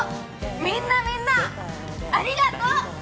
みんなみんなありがとう！